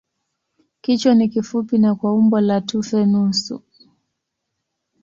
Kichwa ni kifupi na kwa umbo la tufe nusu.